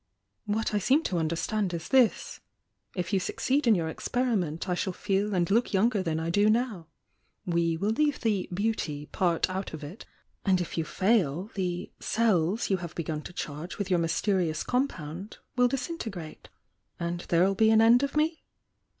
What I seem to understand is this,— if you succeed m your experiment I shall feel and look younger than I do now,— we will leave the 'beauty' part out of it, —and if you fail, the 'cells' you have begun to charge with your mysterious compound, will disintegrate, and there'll be an end of me?"